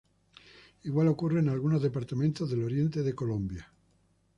Igual ocurre en algunos departamentos del oriente de Colombia.